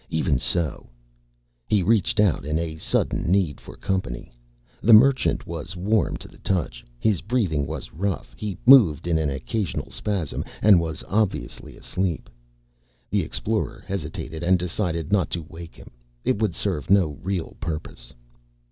Even so He reached out in a sudden need for company. The Merchant was warm to the touch. His breathing was rough, he moved in an occasional spasm, and was obviously asleep. The Explorer hesitated and decided not to wake him. It would serve no real purpose.